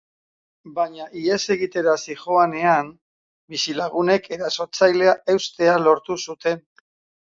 Baina ihes egitera zihoanean, bizilagunek erasotzailea eustea lortu zuten.